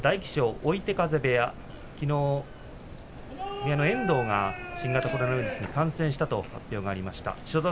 きのう部屋の遠藤が新型コロナウイルスに感染したという話がありました。